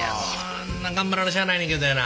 頑張らなしゃあないねんけどやな。